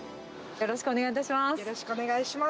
よろしくお願いします。